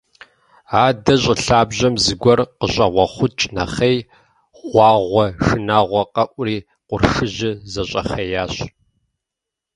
Адэ щӏы лъабжьэм зыгуэр къыщӏэгъуэхъукӏ нэхъей, гъуагъуэ шынагъуэ къэӏури, къуршыжьыр зэщӏэхъеящ.